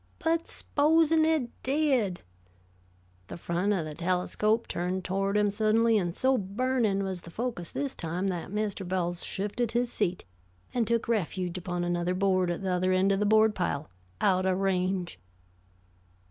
"But supposin' it did?" The front of the telescope turned toward him suddenly, and so burning was the focus this time that Mr. Bowles shifted his seat, and took refuge upon another board at the other end of the board pile, out of range.